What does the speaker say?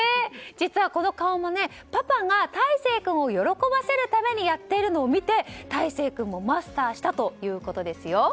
実は、この顔もパパが泰誠君を喜ばせるためやっているのを見て泰誠君もマスターしたということですよ。